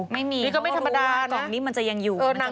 ไม่มีเขาก็รู้ว่ากล่องนี้มันจะยังอยู่มันจะไม่กระจายนี่ก็ไม่ธรรมดานะ